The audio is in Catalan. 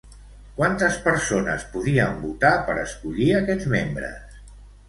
Quantes persones podien votar per escollir aquests membres?